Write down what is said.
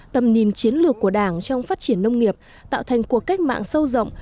tầm nhìn chiến lược của đảng trong phát triển nông nghiệp tạo thành cuộc cách mạng sâu rộng